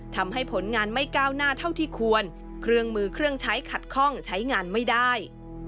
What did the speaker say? ผลงานไม่ก้าวหน้าเท่าที่ควรเครื่องมือเครื่องใช้ขัดข้องใช้งานไม่ได้